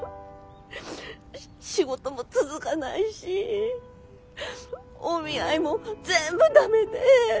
仕事も続かないしお見合いも全部駄目で。